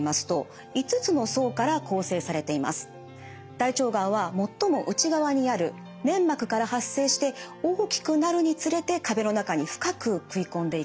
大腸がんは最も内側にある粘膜から発生して大きくなるにつれて壁の中に深く食い込んでいくんです。